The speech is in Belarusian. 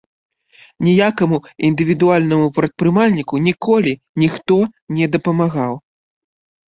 Ніякаму індывідуальнаму прадпрымальніку ніколі ніхто не дапамагаў.